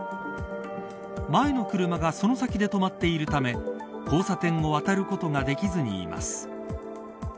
前の車がその先で止まっているため交差点を渡ることができずにいます。